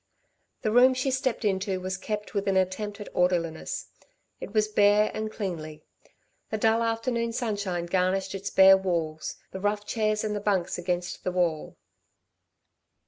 The room she stepped into was kept with an attempt at orderliness. It was bare and cleanly. The dull afternoon sunshine garnished its bare walls, the rough chairs and the bunks against the wall.